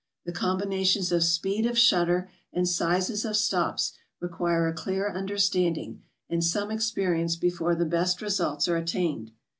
The combinations of speed of shutter and sizes of stops re quire a clear understanding and some experience before the best results are attained.